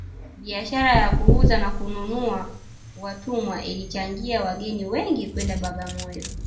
biashara ya kuuza na kununua watumwa ilichangia wageni wengi kwenda bagamoyo